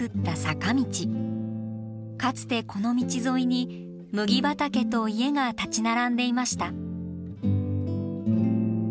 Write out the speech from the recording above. かつてこの道沿いに麦畑と家が立ち並んでいました。